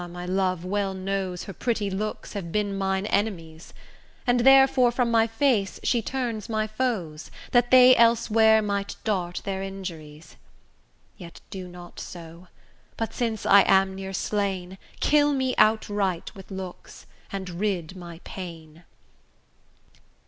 my love well knows Her pretty looks have been mine enemies; And therefore from my face she turns my foes, That they elsewhere might dart their injuries: Yet do not so; but since I am near slain, Kill me outright with looks, and rid my pain.